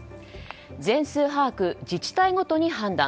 全数把握、自治体ごとの判断。